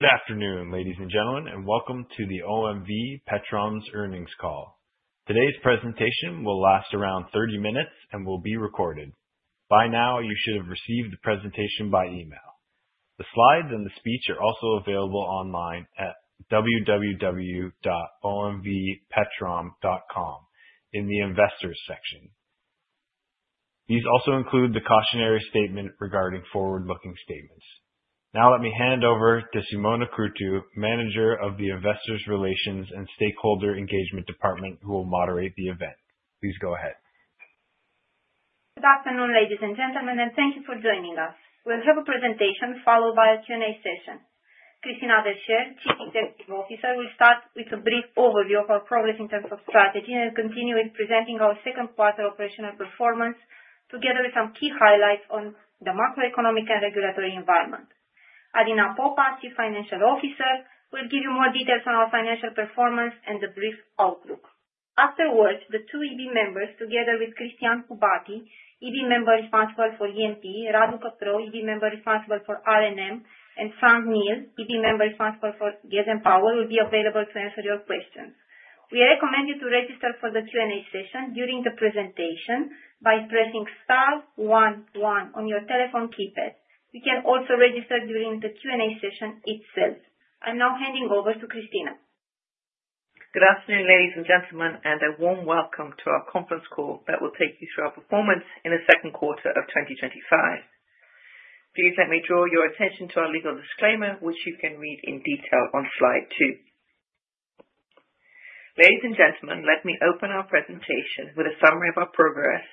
Good afternoon, ladies and gentlemen, and welcome to the OMV Petrom's call. Today's presentation will last around 30 minutes and will be recorded. By now, you should have received the presentation by email. The slides and the speech are also available online at www.omvpetrom.com in the Investors section. These also include the cautionary statement regarding forward-looking statements. Now, let me hand over to Simona Cruțu, Manager of the Investor Relations and Stakeholder Engagement, who will moderate the event. Please go ahead. Good afternoon, ladies and gentlemen, and thank you for joining us. We'll have a presentation followed by a Q&A session. Christina Verchere, Chief Executive Officer, will start with a brief overview of our progress in terms of strategy and continue with presenting our second-quarter operational performance together with some key highlights on the macroeconomic and regulatory environment. Alina Popa, Chief Financial Officer, will give you more details on our financial performance and the brief outlook. Afterwards, the two EB members, together with Cristian Hubati, EB member responsible for E&P; Radu Căprău, EB member responsible for R&M; and Franck Neel, EB member responsible for Gas & Power, will be available to answer your questions. We recommend you to register for the Q&A session during the presentation by pressing star one one on your telephone keypad. You can also register during the Q&A session itself. I'm now handing over to Christina. Good afternoon, ladies and gentlemen, and a warm welcome to our conference call that will take you through our performance in the second quarter of 2025. Please let me draw your attention to our legal disclaimer, which you can read in detail on slide two. Ladies and gentlemen, let me open our presentation with a summary of our progress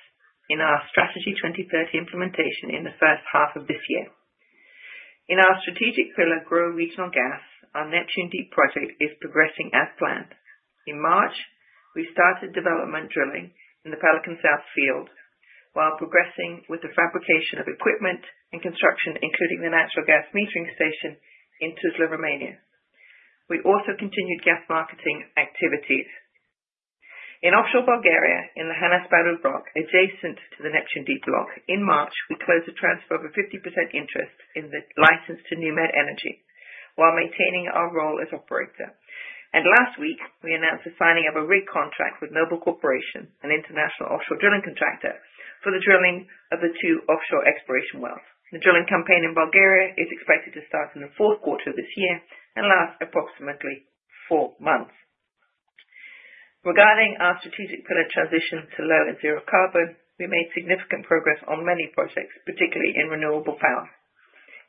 in our Strategy 2030 implementation in the first half of this year. In our strategic pillar, Grow Regional Gas, our Neptune Deep project is progressing as planned. In March, we started development drilling in the Pelican South field while progressing with the fabrication of equipment and construction, including the natural gas metering station in Tuzla, Romania. We also continued gas marketing activities. In offshore Bulgaria, in the Hanas-Balun block, adjacent to the Neptune Deep block, in March, we closed a transfer of a 50% interest in the license to NewMed Energy while maintaining our role as operator. Last week, we announced the signing of a rig contract with Noble Corporation, an international offshore drilling contractor, for the drilling of the two offshore exploration wells. The drilling campaign in Bulgaria is expected to start in the fourth quarter of this year and last approximately four months. Regarding our strategic pillar transition to low and zero carbon, we made significant progress on many projects, particularly in renewable power.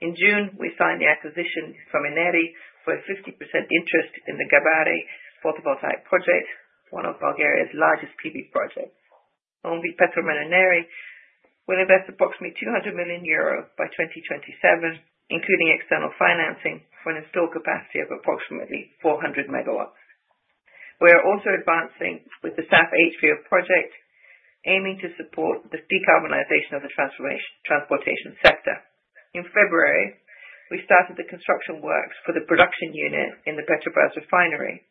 In June, we signed the acquisition from Enery for a 50% interest in the Gabare photovoltaic project, one of Bulgaria's largest PV projects. OMV Petrom and Enery will invest approximately 200 million euros by 2027, including external financing for an installed capacity of approximately 400 MW. We are also advancing with the SAF HVO project, aiming to support the decarbonization of the transportation sector. In February, we started the construction works for the production unit in the Petrobrazi Refinery,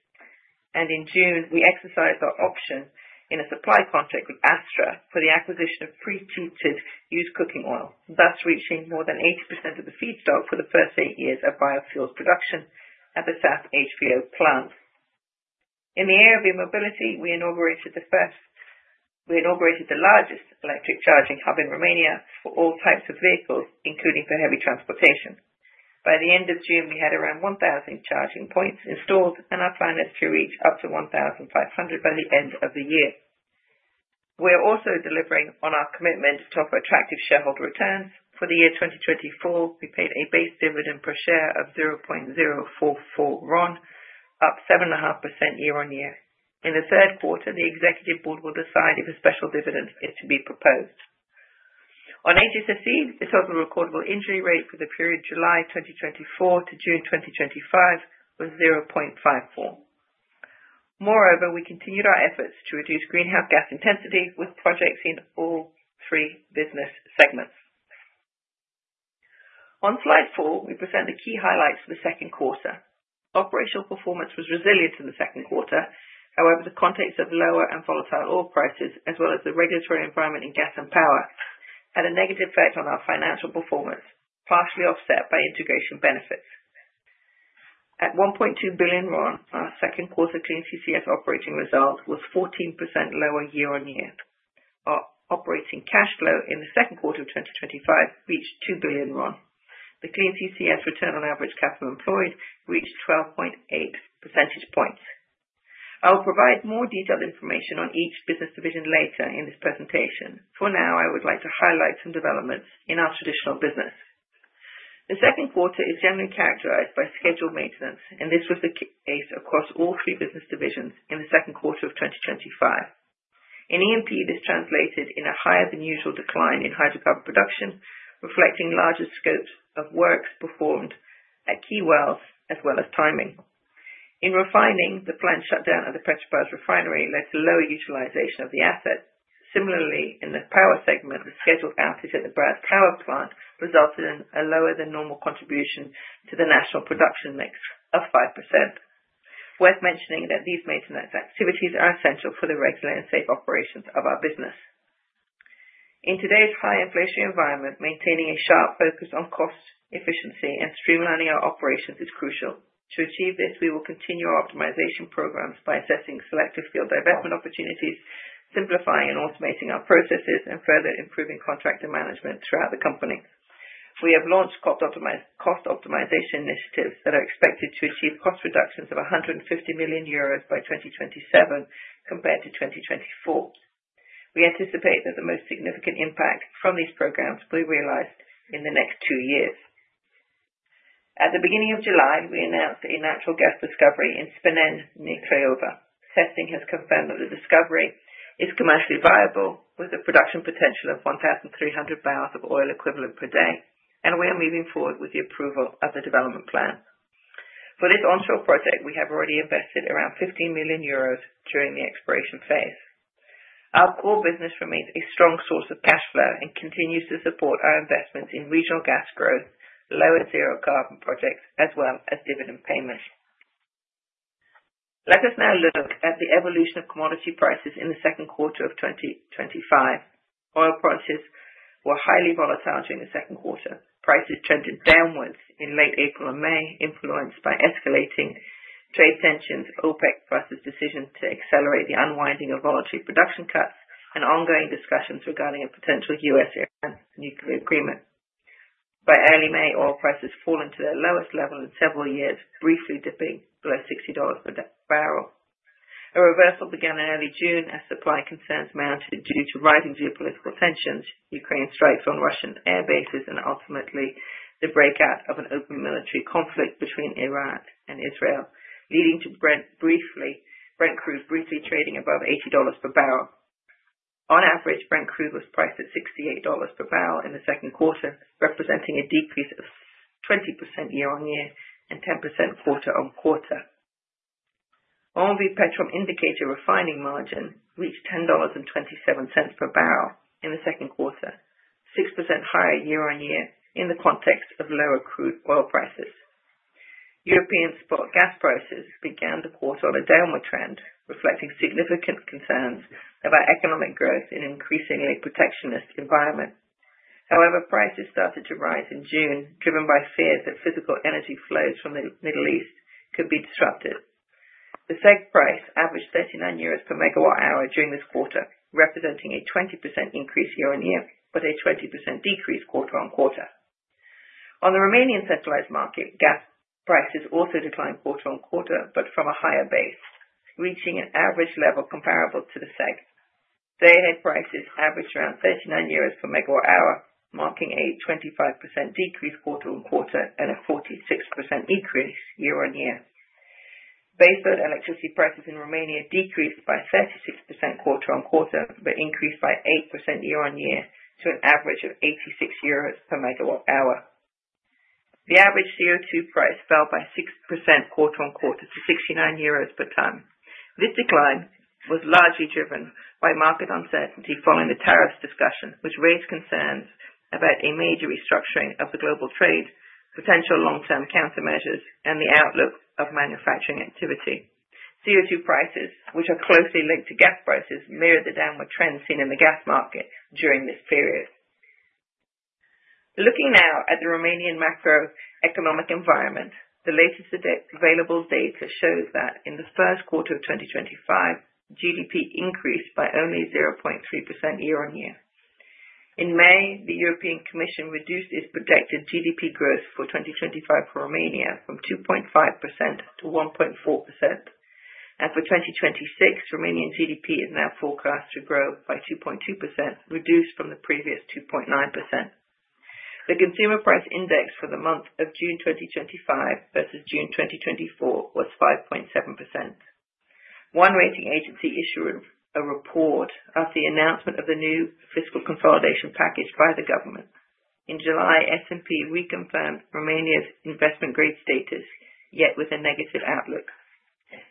and in June, we exercised our option in a supply contract with Astra for the acquisition of pre-treated used cooking oil, thus reaching more than 80% of the feedstock for the first eight years of biofuels production at the SAF HVO plant. In the area of mobility, we inaugurated the largest electric charging hub in Romania for all types of vehicles, including for heavy transportation. By the end of June, we had around 1,000 charging points installed, and our plan is to reach up to 1,500 by the end of the year. We are also delivering on our commitment to offer attractive shareholder returns. For the year 2024, we paid a base dividend per share of RON 0.044, up 7.5% year-on-year. In the third quarter, the Executive Board will decide if a special dividend is to be proposed. On HSSE, the total recordable injury rate for the period July 2024 to June 2025 was 0.54. Moreover, we continued our efforts to reduce greenhouse gas intensity with projects in all three business segments. On slide four, we present the key highlights for the second quarter. Operational performance was resilient in the second quarter. However, the context of lower and volatile oil prices, as well as the regulatory environment in gas and power, had a negative effect on our financial performance, partially offset by integration benefits. At RON 1.2 billion, our second-quarter clean CCS operating result was 14% lower year-on-year. Our operating cash flow in the second quarter of 2025 reached RON 2 billion. The clean CCS return on average capital employed reached 12.8%. I will provide more detailed information on each business division later in this presentation. For now, I would like to highlight some developments in our traditional business. The second quarter is generally characterized by scheduled maintenance, and this was the case across all three business divisions in the second quarter of 2025. In E&P, this translated in a higher-than-usual decline in hydrocarbon production, reflecting larger scopes of works performed at key wells as well as timing. In refining, the planned shutdown at the Petrobrazi Refinery led to lower utilization of the asset. Similarly, in the power segment, the scheduled outage at the Brazi Power Plant resulted in a lower-than-normal contribution to the national production mix of 5%. Worth mentioning that these maintenance activities are essential for the regular and safe operations of our business. In today's high-inflation environment, maintaining a sharp focus on cost, efficiency and streamlining our operations is crucial. To achieve this, we will continue our optimization programs by assessing selective field divestment opportunities, simplifying and automating our processes, and further improving contractor management throughout the company. We have launched cost optimization initiatives that are expected to achieve cost reductions of 150 million euros by 2027 compared to 2024. We anticipate that the most significant impact from these programs will be realized in the next two years. At the beginning of July, we announced a natural gas discovery in Spineni, Craiova. Testing has confirmed that the discovery is commercially viable with a production potential of 1,300 barrels of oil equivalent per day, and we are moving forward with the approval of the development plan. For this onshore project, we have already invested around 15 million euros during the exploration phase. Our core business remains a strong source of cash flow and continues to support our investments in regional gas growth, low and zero carbon projects, as well as dividend payments. Let us now look at the evolution of commodity prices in the second quarter of 2025. Oil prices were highly volatile during the second quarter. Prices trended downwards in late April and May, influenced by escalating trade tensions, OPEC+'s decision to accelerate the unwinding of voluntary production cuts, and ongoing discussions regarding a potential [U.S.A.] Nuclear agreement. By early May, oil prices fall into their lowest level in several years, briefly dipping below $60 per barrel. A reversal began in early June as supply concerns mounted due to rising geopolitical tensions, Ukraine's strikes on Russian air bases, and ultimately the breakout of an open military conflict between Iran and Israel, leading to Brent crude briefly trading above $80 per barrel. On average, Brent crude was priced at $68 per barrel in the second quarter, representing a decrease of 20% year-on-year and 10% quarter-on-quarter. OMV Petrom indicator refining margin reached $10.27 per barrel in the second quarter, 6% higher year-on-year in the context of lower crude oil prices. European spot gas prices began the quarter on a downward trend, reflecting significant concerns about economic growth in an increasingly protectionist environment. However, prices started to rise in June, driven by fears that physical energy flows from the Middle East could be disrupted. The SEG price averaged 39 euros per MWh during this quarter, representing a 20% increase year-on-year, but a 20% decrease quarter-on-quarter. On the Romanian centralized market, gas prices also declined quarter-on-quarter, but from a higher base, reaching an average level comparable to the SEG. Day-ahead prices averaged around 39 euros per MWh, marking a 25% decrease quarter-on-quarter and a 46% increase year-on-year. Baseload electricity prices in Romania decreased by 36% quarter-on-quarter, but increased by 8% year-on-year to an average of 86 euros per MWh. The average CO2 price fell by 6% quarter-on-quarter to 69 euros per ton. This decline was largely driven by market uncertainty following the tariffs discussion, which raised concerns about a major restructuring of the global trade, potential long-term countermeasures, and the outlook of manufacturing activity. CO2 prices, which are closely linked to gas prices, mirrored the downward trend seen in the gas market during this period. Looking now at the Romanian macroeconomic environment, the latest available data shows that in the first quarter of 2025, GDP increased by only 0.3% year-on-year. In May, the European Commission reduced its projected GDP growth for 2025 for Romania from 2.5%-1.4%. For 2026, Romanian GDP is now forecast to grow by 2.2%, reduced from the previous 2.9%. The consumer price index for the month of June 2025 versus June 2024 was 5.7%. One rating agency issued a report after the announcement of the new fiscal consolidation package by the government. In July, S&P reconfirmed Romania's investment-grade status, yet with a negative outlook.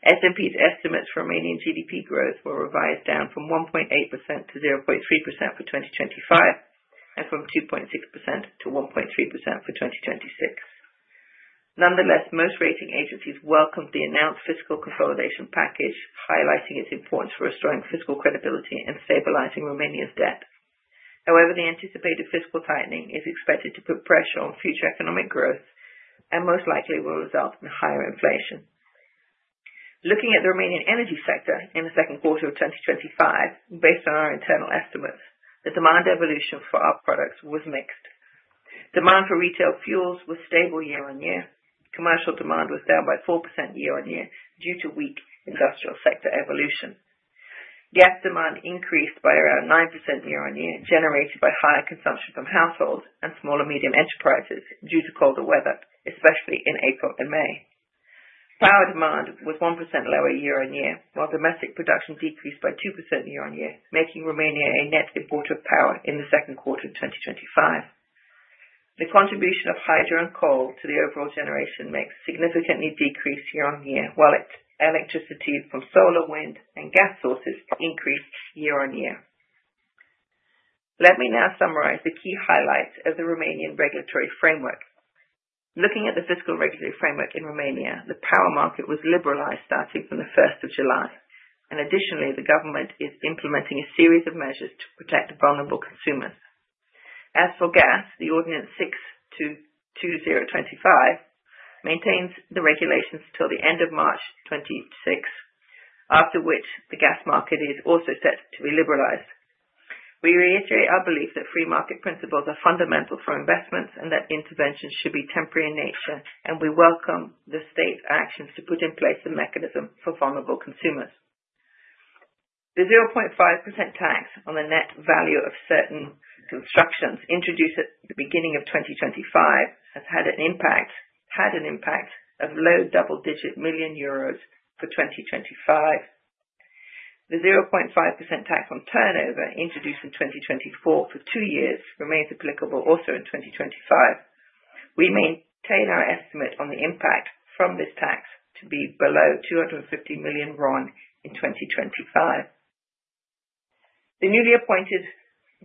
S&P's estimates for Romanian GDP growth were revised down from 1.8%-0.3% for 2025 and from 2.6%-1.3% for 2026. Nonetheless, most rating agencies welcomed the announced fiscal consolidation package, highlighting its importance for restoring fiscal credibility and stabilizing Romania's debt. However, the anticipated fiscal tightening is expected to put pressure on future economic growth and most likely will result in higher inflation. Looking at the Romanian energy sector in the second quarter of 2025, based on our internal estimates, the demand evolution for our products was mixed. Demand for retail fuels was stable year-on-year. Commercial demand was down by 4% year-on-year due to weak industrial sector evolution. Gas demand increased by around 9% year-on-year, generated by higher consumption from households and smaller medium enterprises due to colder weather, especially in April and May. Power demand was 1% lower year-on-year, while domestic production decreased by 2% year-on-year, making Romania a net importer of power in the second quarter of 2025. The contribution of hydro and coal to the overall generation mix significantly decreased year-on-year, while electricity from solar, wind, and gas sources increased year-on-year. Let me now summarize the key highlights of the Romanian regulatory framework. Looking at the fiscal regulatory framework in Romania, the power market was liberalized starting from the 1st of July, and additionally, the government is implementing a series of measures to protect vulnerable consumers. As for gas, the Ordinance 6/2025 maintains the regulations until the end of March 2026, after which the gas market is also set to be liberalized. We reiterate our belief that free market principles are fundamental for investments and that interventions should be temporary in nature, and we welcome the state actions to put in place the mechanism for vulnerable consumers. The 0.5% tax on the net value of certain constructions introduced at the beginning of 2025 has had an impact, had an impact of low double-digit million euros for 2025. The 0.5% tax on turnover introduced in 2024 for two years remains applicable also in 2025. We maintain our estimate on the impact from this tax to be below RON 250 million in 2025. The newly appointed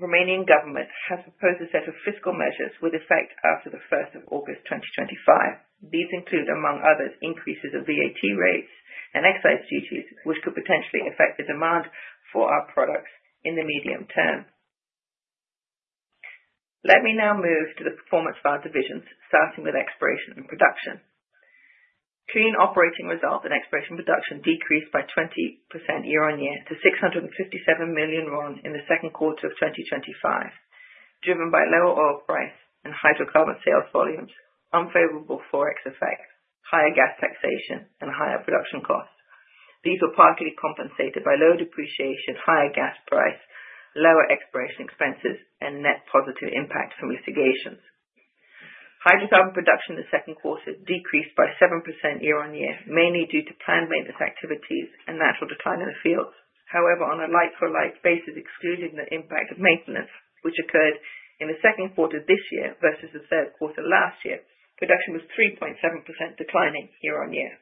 Romanian government has proposed a set of fiscal measures with effect after the 1st of August 2025. These include, among others, increases of VAT rates and excise duties, which could potentially affect the demand for our products in the medium term. Let me now move to the performance of our divisions, starting with exploration and production. Clean operating results in exploration and production decreased by 20% year-on-year to RON 657 million in the second quarter of 2025, driven by lower oil price and hydrocarbon sales volumes, unfavorable forex effects, higher gas taxation, and higher production costs. These were partly compensated by low depreciation, higher gas price, lower exploration expenses, and net positive impact from mitigations. Hydrocarbon production in the second quarter decreased by 7% year-on-year, mainly due to planned maintenance activities and natural decline in the fields. However, on a like-for-like basis, excluding the impact of maintenance, which occurred in the second quarter this year versus the third quarter last year, production was 3.7% declining year-on-year.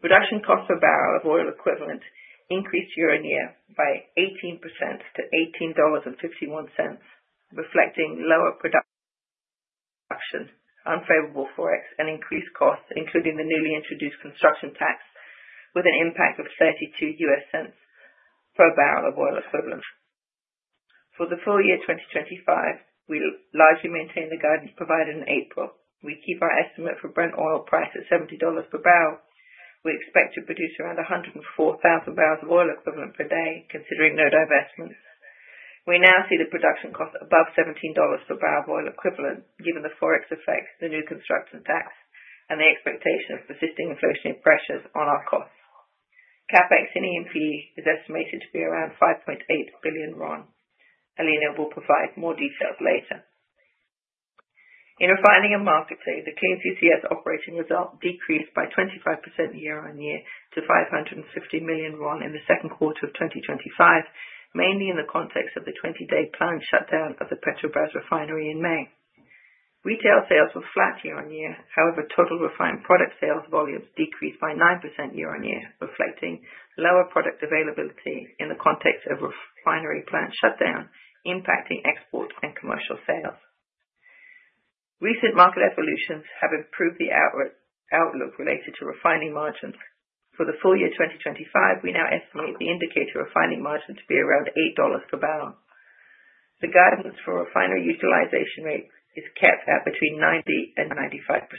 Production cost per barrel of oil equivalent increased year-on-year by 18% to $18.51, reflecting lower production, unfavorable forex, and increased costs, including the newly introduced construction tax, with an impact of $0.32 per barrel of oil equivalent. For the full year 2025, we largely maintain the guidance provided in April. We keep our estimate for Brent oil price at $70 per barrel. We expect to produce around 104,000 barrels of oil equivalent per day, considering no divestments. We now see the production cost above $17 per barrel of oil equivalent, given the forex effect, the new construction tax, and the expectation of persisting inflationary pressures on our costs. CapEx in E&P is estimated to be around RON 5.8 billion. Alina will provide more details later. In refining and marketing, the clean CCS operating result decreased by 25% year-on-year to RON 550 million in the second quarter of 2025, mainly in the context of the 20-day planned shutdown of the Petrobrazi Refinery in May. Retail sales were flat year-on-year. However, total refined product sales volumes decreased by 9% year-on-year, reflecting lower product availability in the context of refinery plant shutdown, impacting export and commercial sales. Recent market evolutions have improved the outlook related to refining margins. For the full year 2025, we now estimate the indicator refining margin to be around $8 per barrel. The guidance for refinery utilization rate is capped at between 90% and 95%.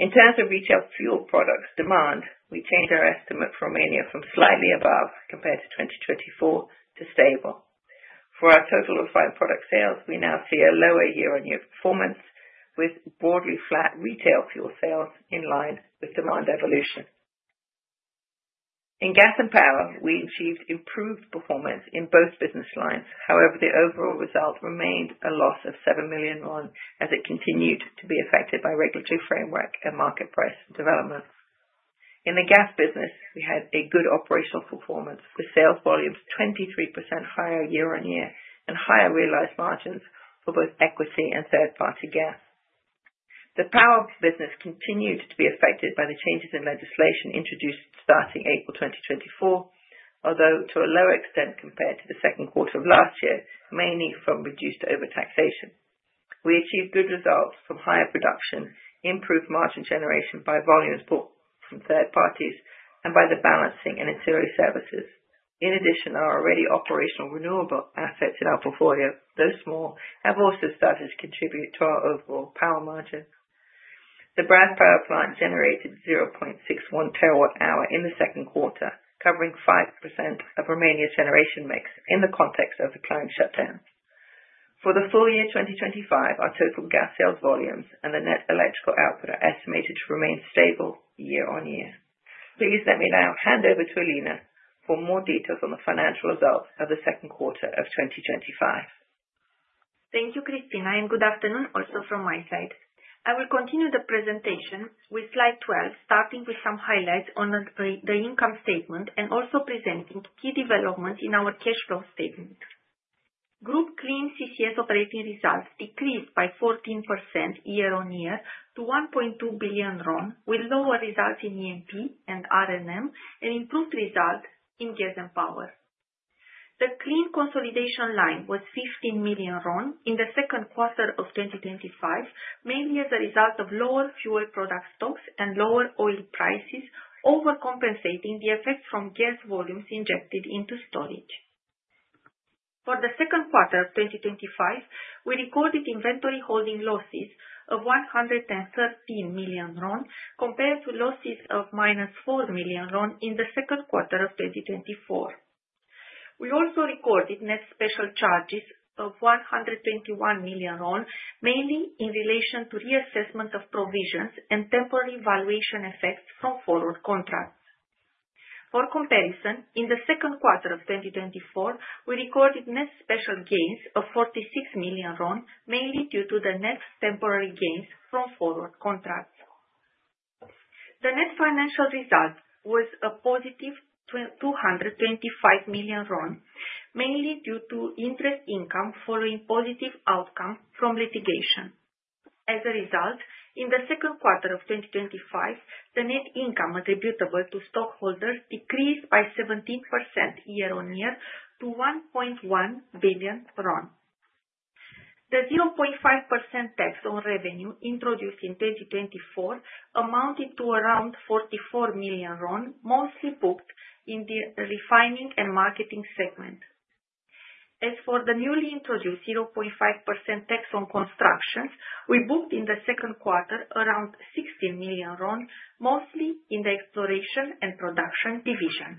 In terms of retail fuel products demand, we change our estimate for Romania from slightly above compared to 2024 to stable. For our total refined product sales, we now see a lower year-on-year performance, with broadly flat retail fuel sales in line with demand evolution. In gas and power, we achieved improved performance in both business lines. However, the overall result remained a loss of RON 7 million as it continued to be affected by regulatory framework and market price development. In the gas business, we had a good operational performance with sales volumes 23% higher year-on-year and higher realized margins for both equity and third-party gas. The power business continued to be affected by the changes in legislation introduced starting April 2024, although to a lower extent compared to the second quarter of last year, mainly from reduced overtaxation. We achieved good results from higher production, improved margin generation by volumes bought from third parties, and by the balancing and interior services. In addition, our already operational renewable assets in our portfolio, though small, have also started to contribute to our overall power margin. The Brazi Power Plant generated 0.61 TWh in the second quarter, covering 5% of Romania's generation mix in the context of the planned shutdown. For the full year 2025, our total gas sales volumes and the net electrical output are estimated to remain stable year-on-year. Please let me now hand over to Alina for more details on the financial results of the second quarter of 2025. Thank you, Christina, and good afternoon also from my side. I will continue the presentation with slide 12, starting with some highlights on the income statement and also presenting key developments in our cash flow statement. Group clean CCS operating results decreased by 14% year-on-year to RON 1.2 billion, with lower results in E&P and R&M and improved results in gas and power. The clean consolidation line was RON 15 million in the second quarter of 2025, mainly as a result of lower fuel product stocks and lower oil prices, overcompensating the effect from gas volumes injected into storage. For the second quarter of 2025, we recorded inventory holding losses of RON 113 million, compared to losses of -RON 4 million in the second quarter of 2024. We also recorded net special charges of RON 121 million, mainly in relation to reassessment of provisions and temporary valuation effects from forward contracts. For comparison, in the second quarter of 2024, we recorded net special gains of RON 46 million, mainly due to the net temporary gains from forward contracts. The net financial result was a +RON 225 million, mainly due to interest income following positive outcome from litigation. As a result, in the second quarter of 2025, the net income attributable to stockholders decreased by 17% year-on-year to RON 1.1 billion. The 0.5% tax on revenue introduced in 2024 amounted to around RON 44 million, mostly booked in the refining and marketing segment. As for the newly introduced 0.5% tax on constructions, we booked in the second quarter around RON 16 million, mostly in the exploration and production division.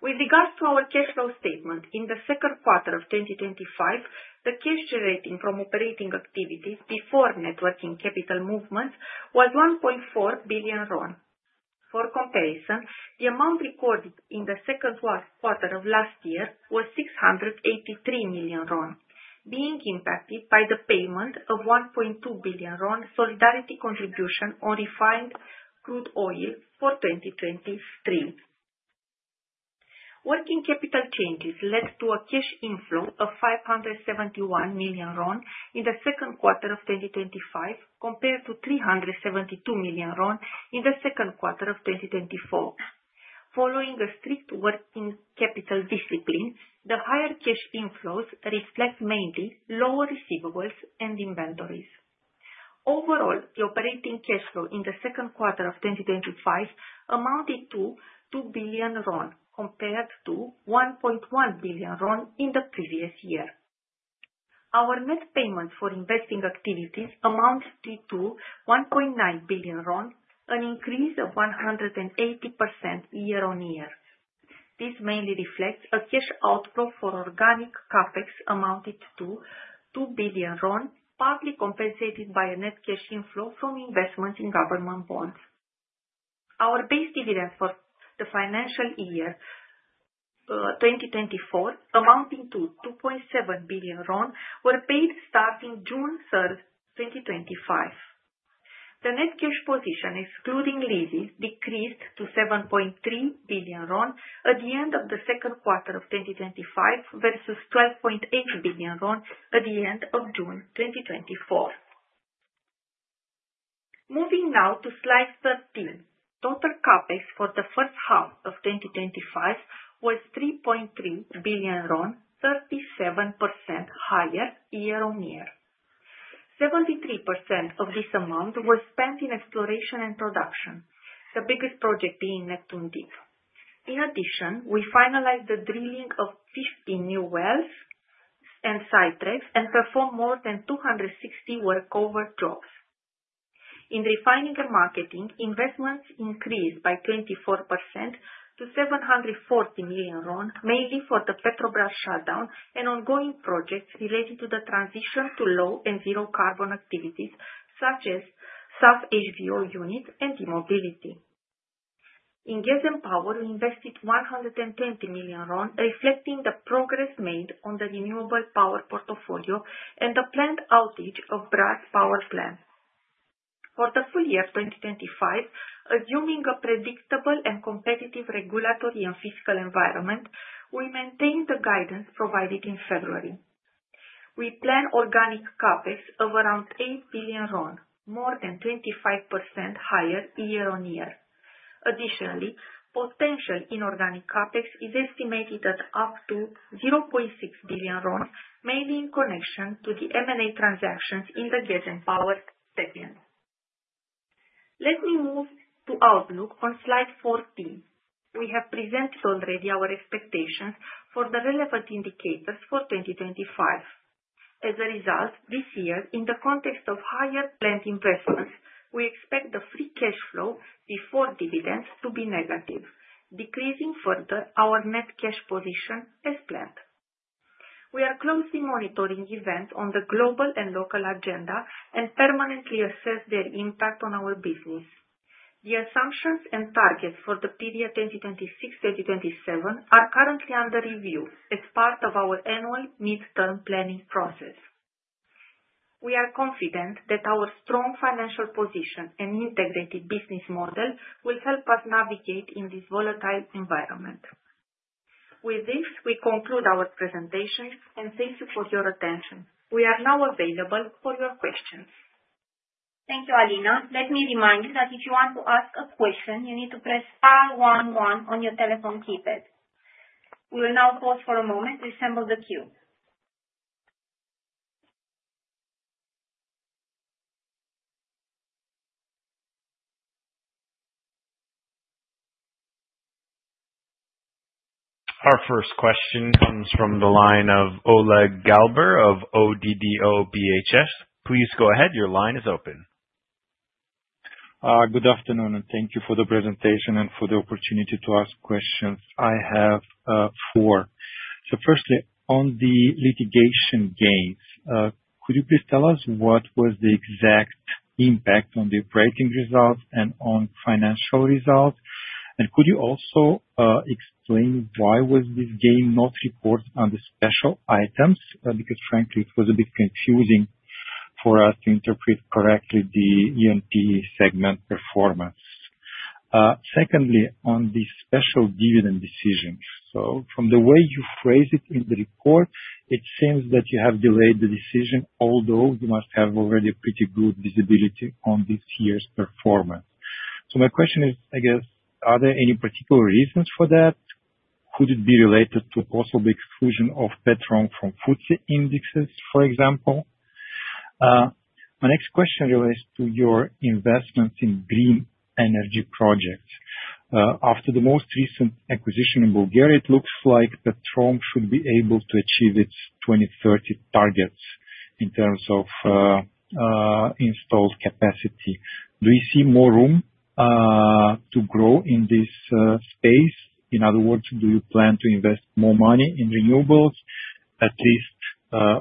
With regards to our cash flow statement, in the second quarter of 2025, the cash generated from operating activities before networking capital movements was RON 1.4 billion. For comparison, the amount recorded in the second quarter of last year was RON 683 million, being impacted by the payment of RON 1.2 billion solidarity contribution on refined crude oil for 2023. Working capital changes led to a cash inflow of RON 571 million in the second quarter of 2025, compared to RON 372 million in the second quarter of 2024. Following a strict working capital discipline, the higher cash inflows reflect mainly lower receivables and inventories. Overall, the operating cash flow in the second quarter of 2025 amounted to RON 2 billion, compared to RON 1.1 billion in the previous year. Our net payment for investing activities amounts to RON 1.9 billion, an increase of 180% year-on-year. This mainly reflects a cash outflow for organic CapEx amounted to RON 2 billion, partly compensated by a net cash inflow from investments in government bonds. Our base dividends for the financial year 2024, amounting to RON 2.7 billion, were paid starting June 3rd, 2025. The net cash position, excluding leases, decreased to RON 7.3 billion at the end of the second quarter of 2025 versus RON 12.8 billion at the end of June 2024. Moving now to slide 13, total CapEx for the first half of 2025 was RON 3.3 billion, 37% higher year-on-year. 73% of this amount was spent in exploration and production, the biggest project being Neptune Deep. In addition, we finalized the drilling of 15 new wells and site tracks and performed more than 260 workover jobs. In refining and marketing, investments increased by 24% to RON 740 million, mainly for the Petrobrazi shutdown and ongoing projects related to the transition to low and zero-carbon activities, such as SAF HVO unit and e-mobility. In gas and power, we invested RON 120 million, reflecting the progress made on the renewable power portfolio and the planned outage of Brazi Power Plant. For the full year 2025, assuming a predictable and competitive regulatory and fiscal environment, we maintained the guidance provided in February. We planned organic CapEx of around RON 8 billion, more than 25% higher year-on-year. Additionally, potential inorganic CapEx is estimated at up to RON 0.6 billion, mainly in connection to the M&A transactions in the gas and power segment. Let me move to outlook on slide 14. We have presented already our expectations for the relevant indicators for 2025. As a result, this year, in the context of higher planned investments, we expect the free cash flow before dividends to be negative, decreasing further our net cash position as planned. We are closely monitoring events on the global and local agenda and permanently assess their impact on our business. The assumptions and targets for the period 2026-2027 are currently under review as part of our annual midterm planning process. We are confident that our strong financial position and integrated business model will help us navigate in this volatile environment. With this, we conclude our presentation, and thank you for your attention. We are now available for your questions. Thank you, Alina. Let me remind you that if you want to ask a question, you need to press star one one on your telephone keypad. We will now pause for a moment to assemble the queue. Our first question comes from the line of Oleg Galbur of ODDO BHF. Please go ahead. Your line is open. Good afternoon, and thank you for the presentation and for the opportunity to ask questions. I have four. Firstly, on the litigation gains, could you please tell us what was the exact impact on the operating results and on financial results? Could you also explain why was this gain not reported on the special items? Because, frankly, it was a bit confusing for us to interpret correctly the E&P segment performance. Secondly, on the special dividend decision. From the way you phrased it in the report, it seems that you have delayed the decision, although you must have already pretty good visibility on this year's performance. My question is, I guess, are there any particular reasons for that? Could it be related to possible exclusion of Petrom from FTSE indices, for example? My next question relates to your investments in green energy project. After the most recent acquisition in Bulgaria, it looks like Petrom should be able to achieve its 2030 targets in terms of installed capacity. Do you see more room to grow in this space? In other words, do you plan to invest more money in renewables, at least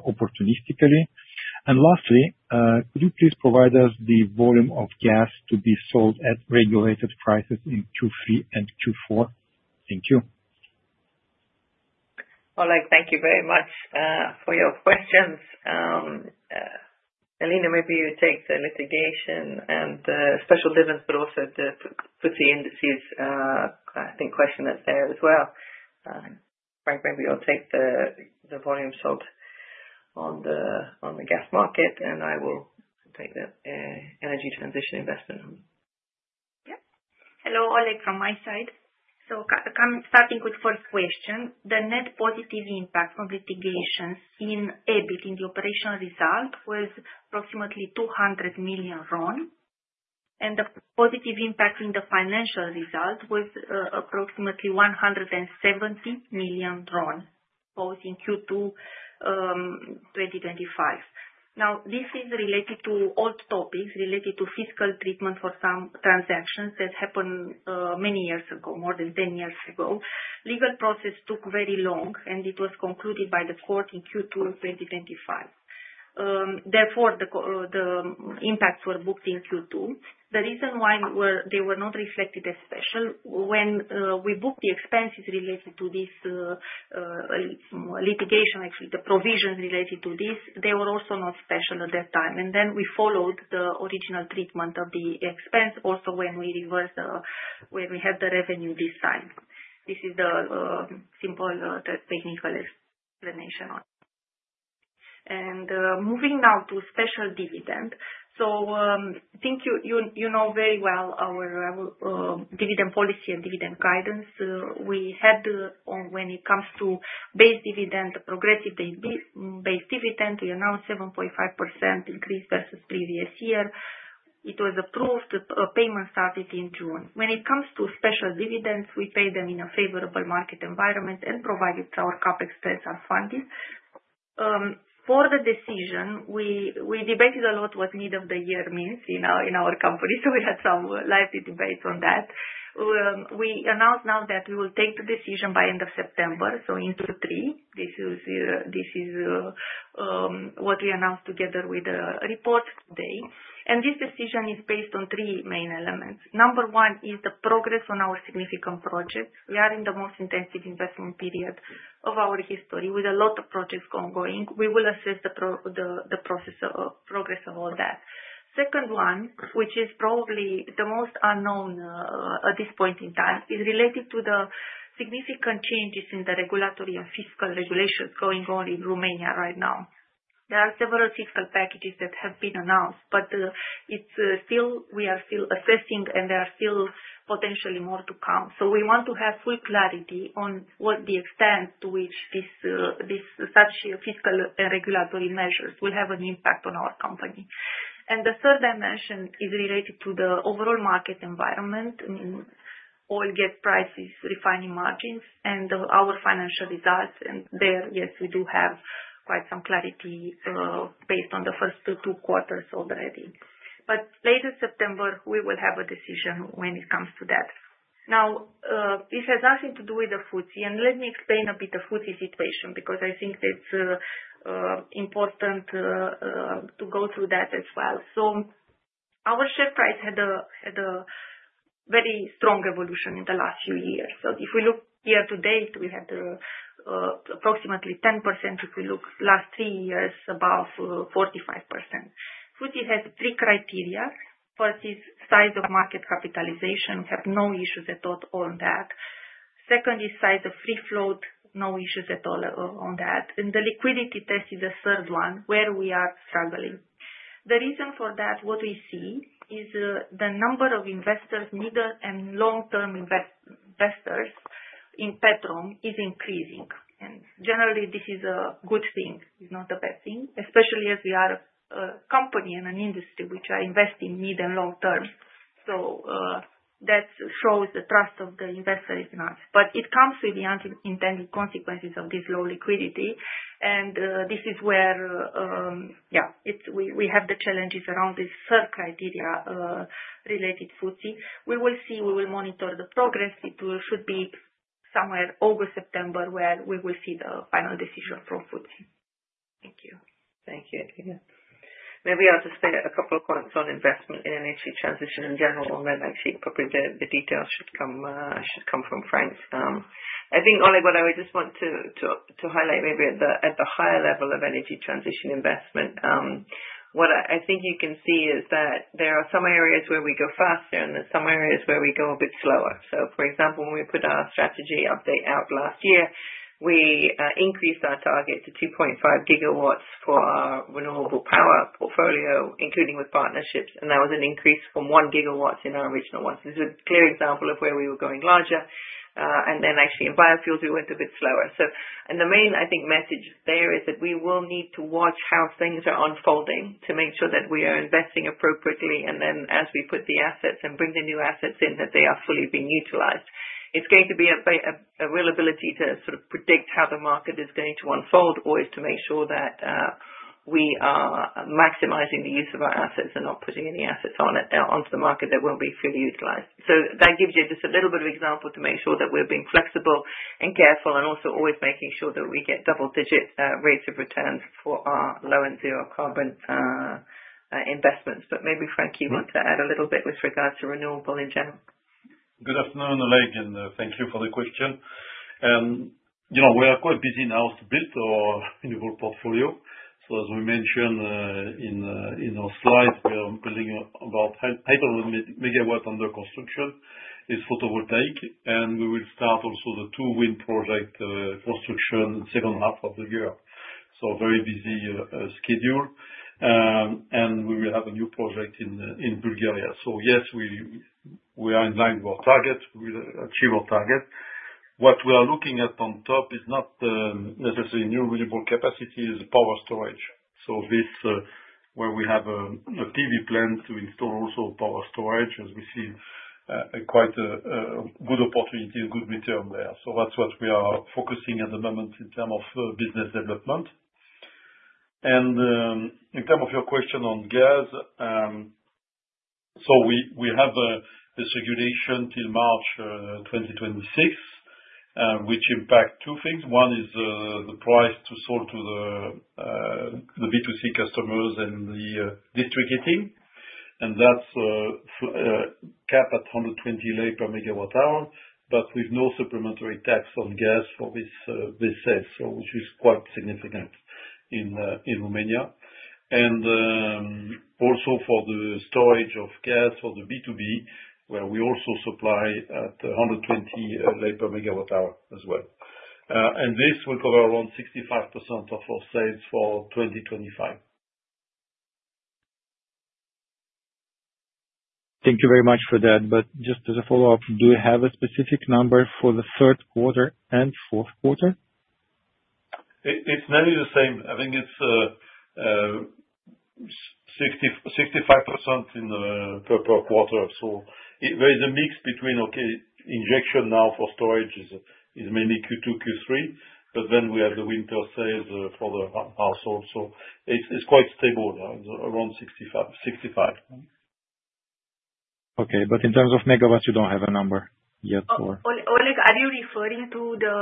opportunistically Lastly, could you please provide us the volume of gas to be sold at regulated prices in Q3 and Q4? Thank you. Oleg, thank you very much for your questions. Alina, maybe you take the litigation and the special dividends, but also the FTSE indices. I think, question that's there as well. Franck, maybe you'll take the volume sold on the gas market, and I will take the energy transition investment. Yep. Hello, Oleg from my side. Starting with the first question, the net positive impact from litigation in EBIT in the operational result was approximately RON 200 million. The positive impact in the financial result was approximately RON 170 million in Q2 2025. This is related to old topics, related to fiscal treatment for some transactions that happened many years ago, more than 10 years ago. Legal process took very long, and it was concluded by the court in Q2 2025. Therefore, the impacts were booked in Q2. The reason why they were not reflected as special, when we booked the expenses related to this. Litigation, actually, the provisions related to this, they were also not special at that time. We followed the original treatment of the expense also when we reversed, when we had the revenue this time. This is the simple technical explanation on it. Moving now to special dividend. I think you know very well our dividend policy and dividend guidance. We had, when it comes to base dividend, the progressive base dividend, we announced 7.5% increase versus previous year. It was approved. The payment started in June. When it comes to special dividends, we paid them in a favorable market environment and provided our CapEx spends are funded. For the decision, we debated a lot what mid of the year means in our company. We had some lively debates on that. We announced now that we will take the decision by end of September, so in Q3. This is what we announced together with the report today. This decision is based on three main elements. Number one is the progress on our significant projects. We are in the most intensive investment period of our history with a lot of projects ongoing. We will assess the progress of all that. Second one, which is probably the most unknown at this point in time, is related to the significant changes in the regulatory and fiscal regulations going on in Romania right now. There are several fiscal packages that have been announced, but we are still assessing, and there are still potentially more to come. We want to have full clarity on the extent to which such fiscal and regulatory measures will have an impact on our company. The third dimension is related to the overall market environment, oil gas prices, refining margins, and our financial results. There, yes, we do have quite some clarity based on the first two quarters already. Later September, we will have a decision when it comes to that. This has nothing to do with the FTSE, and let me explain a bit the FTSE situation because I think it's important to go through that as well. Our share price had a very strong evolution in the last few years. If we look year-to-date, we had approximately 10%. If we look last three years, above 45%. FTSE has three criteria. First is size of market capitalization. We have no issues at all on that. Second is size of free float. No issues at all on that. The liquidity test is the third one where we are struggling. The reason for that, what we see is the number of investors, middle and long-term investors in Petrom is increasing. Generally, this is a good thing. It's not a bad thing, especially as we are a company and an industry which are investing mid and long term. That shows the trust of the investor in us. It comes with the unintended consequences of this low liquidity. This is where we have the challenges around this third criteria related to FTSE. We will see. We will monitor the progress. It should be somewhere in August, September where we will see the final decision from FTSE. Thank you. Thank you, [yet again]. Maybe I'll just say a couple of comments on investment in energy transition in general, and then actually probably the details should come from Franck. I think, Oleg, what I would just want to highlight maybe at the higher level of energy transition investment, what I think you can see is that there are some areas where we go faster, and there are some areas where we go a bit slower. For example, when we put our strategy update out last year, we increased our target to 2.5 GW for our renewable power portfolio, including with partnerships. That was an increase from 1 GW in our original ones. This is a clear example of where we were going larger. In biofuels, we went a bit slower. The main message there is that we will need to watch how things are unfolding to make sure that we are investing appropriately. As we put the assets and bring the new assets in, they are fully being utilized. It's going to be a real ability to sort of predict how the market is going to unfold, always to make sure that we are maximizing the use of our assets and not putting any assets onto the market that won't be fully utilized. That gives you just a little bit of example to make sure that we're being flexible and careful and also always making sure that we get double-digit rates of returns for our low and zero-carbon investments. Maybe, Franck, you want to add a little bit with regard to renewable in general. Good afternoon, Oleg, and thank you for the question. We are quite busy now to build our renewable portfolio. As we mentioned in our slides, we are building about 100 MW under construction. It's photovoltaic. We will start also the two-wind project construction in the second half of the year. Very busy schedule. We will have a new project in Bulgaria. Yes, we are in line with our target. We will achieve our target. What we are looking at on top is not necessarily new renewable capacity, it's power storage. Where we have a PV plant, we install also power storage, as we see quite a good opportunity and good return there. That's what we are focusing on at the moment in terms of business development. In terms of your question on gas, we have this regulation till March 2026, which impacts two things. One is the price to sell to the B2C customers and the district heating, and that's capped at 120 lei per MWh, but with no supplementary tax on gas for this sale, which is quite significant in Romania. Also, for the storage of gas for the B2B, we also supply at 120 lei per MWh as well. This will cover around 65% of our sales for 2025. Thank you very much for that. Just as a follow-up, do you have a specific number for the third quarter and fourth quarter? It's nearly the same. I think it's 65% per quarter. There is a mix between injection now for storage, which is mainly Q2, Q3, but then we have the winter sales for the household. It's quite stable around 65%. In terms of megawatts, you don't have a number yet for— Oleg, are you referring to the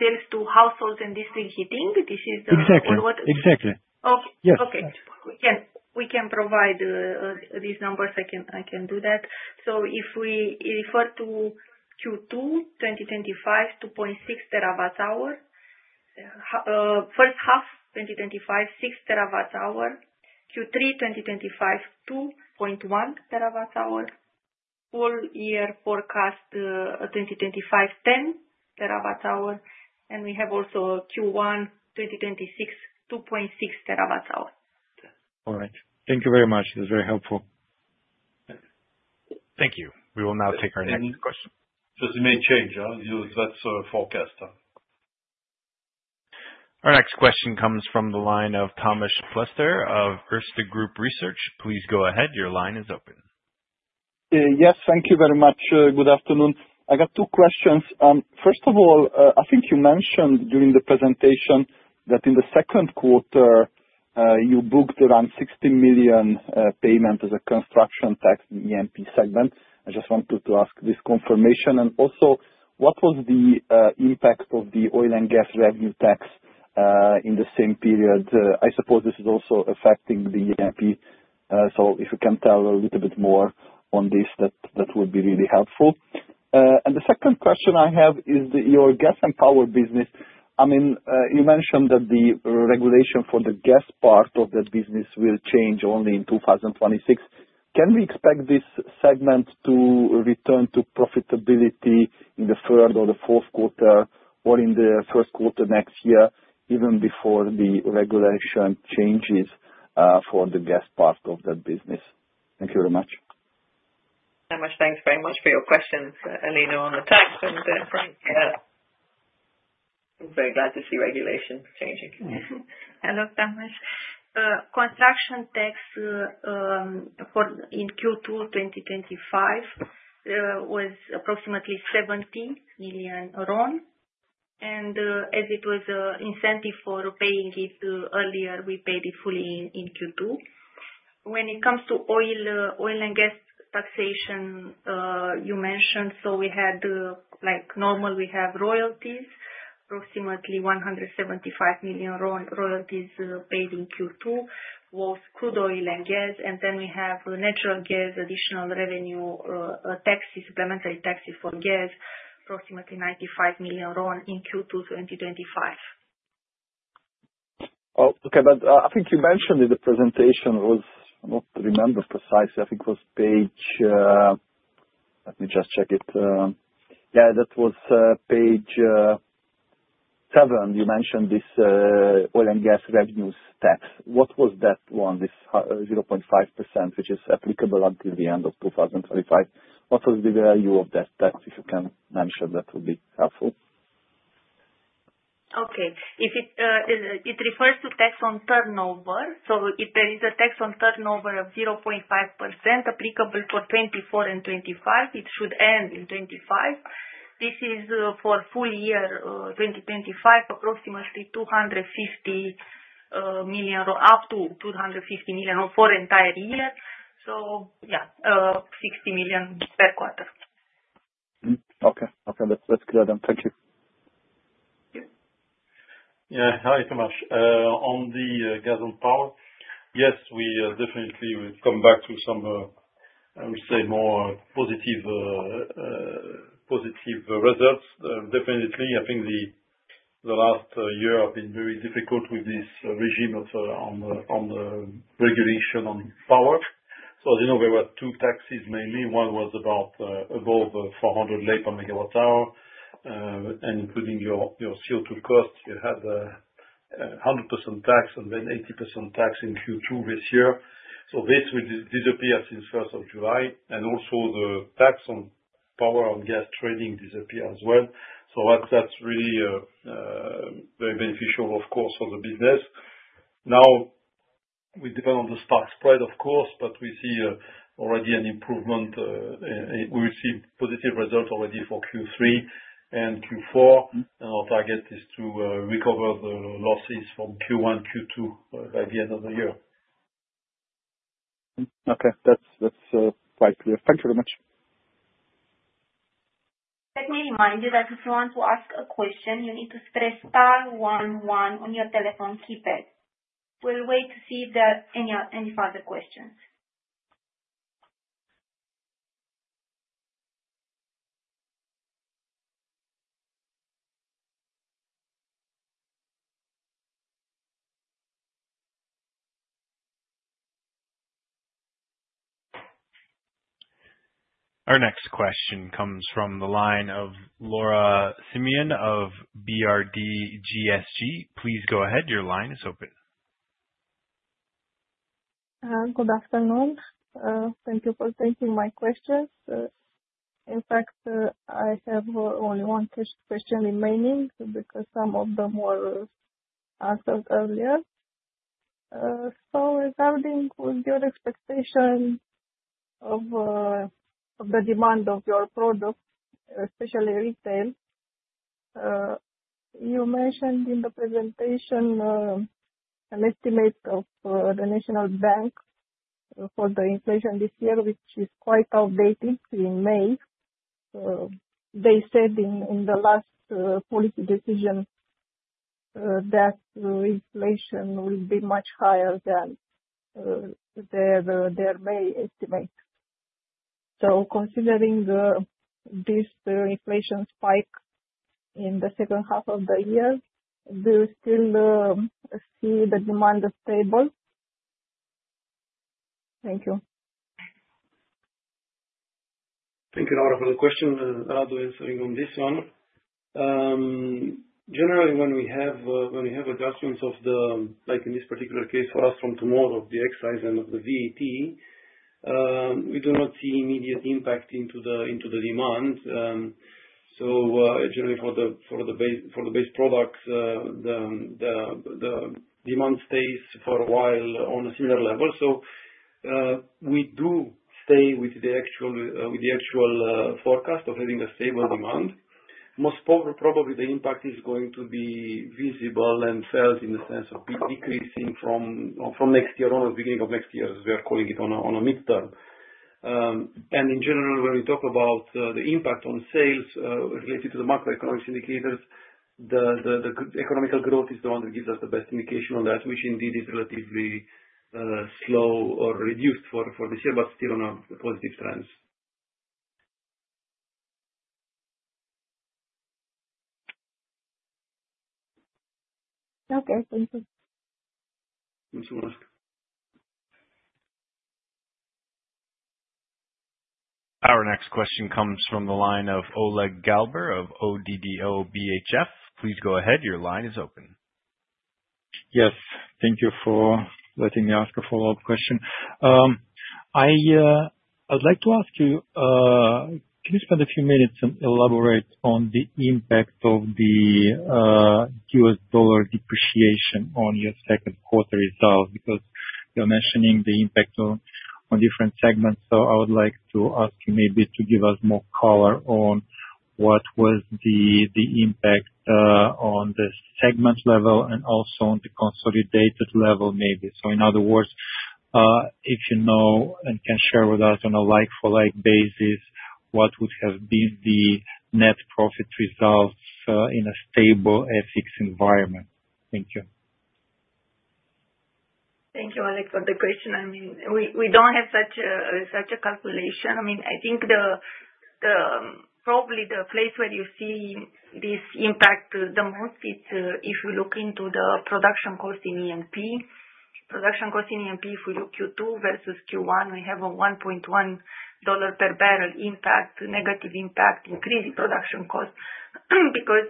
sales to households and district heating? This is the one? Exactly. Exactly. We can provide these numbers. I can do that. If we refer to Q2 2025, 2.6 TWh. First half 2025, 6 TWh. Q3 2025, 2.1 TWh. Full year forecast 2025, 10 TWh. We have also Q1 2026, 2.6 TWh. All right. Thank you very much. It was very helpful. Thank you. We will now take our next question. It may change. That's our forecast. Our next question comes from the line of Tamas Pletser of Erste Group Research. Please go ahead. Your line is open. Yes, thank you very much. Good afternoon. I got two questions. First of all, I think you mentioned during the presentation that in the second quarter, you booked around 16 million payment as a construction tax in the E&P segment. I just wanted to ask this confirmation. Also, what was the impact of the oil and gas revenue tax in the same period? I suppose this is also affecting the E&P. If you can tell a little bit more on this, that would be really helpful. The second question I have is your gas and power business. I mean, you mentioned that the regulation for the gas part of that business will change only in 2026. Can we expect this segment to return to profitability in the third or the fourth quarter or in the first quarter next year, even before the regulation changes for the gas part of that business? Thank you very much. Thanks very much for your questions, Alina, on the tax and Franck. I'm very glad to see regulation changing. Hello, Tamas. Construction tax in Q2 2025 was approximately RON 17 million, and as it was an incentive for paying it earlier, we paid it fully in Q2. When it comes to oil and gas taxation, you mentioned, so we had normal, we have royalties, approximately RON 175 million royalties paid in Q2, both crude oil and gas. Then we have natural gas, additional revenue taxes, supplementary taxes for gas, approximately RON 95 million in Q2 2025. Okay. I think you mentioned in the presentation, I don't remember precisely, I think it was page, let me just check it. Yeah, that was page seven. You mentioned this oil and gas revenues tax. What was that one, this 0.5%, which is applicable until the end of 2025? What was the value of that tax? If you can mention, that would be helpful. Okay. It refers to tax on turnover. If there is a tax on turnover of 0.5% applicable for 2024 and 2025, it should end in 2025. This is for full year 2025, approximately RON 250 million, up to RON 250 million for the entire year. So, yeah, 60 million per quarter. Okay. That's good. Thank you. Yeah. Hi, Tamas. On the gas and power, yes, we definitely will come back to some, I would say, more positive results. Definitely. I think the last year has been very difficult with this regime of regulation on power. As you know, there were two taxes mainly. One was about above 400 lei per MWh, and including your CO2 cost, you had 100% tax and then 80% tax in Q2 this year. This will disappear since 1st July, and also, the tax on power and gas trading disappeared as well. That's really very beneficial, of course, for the business. Now, we depend on the stock spread, of course, but we see already an improvement. We will see positive results already for Q3 and Q4, and our target is to recover the losses from Q1, Q2 by the end of the year. Okay. That's quite clear. Thank you very much. Let me remind you that if you want to ask a question, you need to press star one one on your telephone keypad. We'll wait to see if there are any further questions. Our next question comes from the line of Laura Simion of BRD GSG. Please go ahead. Your line is open. Good afternoon. Thank you for taking my questions. In fact, I have only one question remaining because some of them were answered earlier. Regarding your expectation of the demand of your products, especially retail, you mentioned in the presentation an estimate of the National Bank for the inflation this year, which is quite outdated. In May, they said in the last policy decision that inflation will be much higher than their May estimate. Considering this inflation spike in the second half of the year, do you still see the demand stable? Thank you. Thank you, Laura. One question, and I'll do answering on this one. Generally, when we have adjustments, like in this particular case for us from tomorrow, the excise and the VAT, we do not see immediate impact into the demand. Generally, for the base products, the demand stays for a while on a similar level. We do stay with the actual forecast of having a stable demand. Most probably, the impact is going to be visible and felt in the sense of decreasing from next year on, beginning of next year, as we are calling it, on a midterm. In general, when we talk about the impact on sales related to the macroeconomic indicators, the economic growth is the one that gives us the best indication on that, which indeed is relatively slow or reduced for this year, but still on a positive trend. Thank you. Thanks so much. Our next question comes from the line of Oleg Galbur of ODDO BHF. Please go ahead. Your line is open. Yes. Thank you for letting me ask a follow-up question. I'd like to ask you, can you spend a few minutes and elaborate on the impact of the US dollar depreciation on your second quarter results? Because you're mentioning the impact on different segments, I would like to ask you maybe to give us more color on what was the impact on the segment level and also on the consolidated level, maybe. In other words, if you know and can share with us on a like-for-like basis, what would have been the net profit results in a stable FX environment? Thank you. Thank you, Oleg, for the question. I mean, we don't have such a calculation. I mean, I think probably the place where you see this impact the most is if you look into the production cost in E&P. Production cost in E&P, if we look Q2 versus Q1, we have a $1.1 per barrel impact, negative impact, increasing production cost because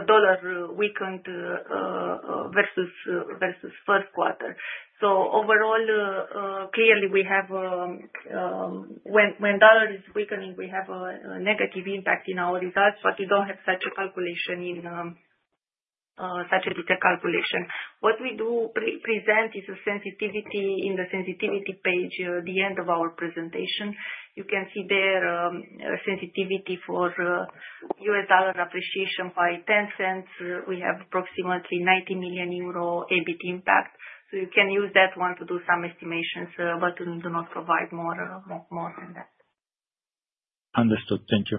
a dollar weakened versus first quarter. Overall, clearly, we have. When dollar is weakening, we have a negative impact in our results, but we don't have such a calculation in, such a detailed calculation. What we do present is a sensitivity in the sensitivity page, the end of our presentation. You can see there, sensitivity for US dollar appreciation by $0.10. We have approximately 90 million euro EBIT impact. You can use that one to do some estimations, but we do not provide more than that. Understood. Thank you.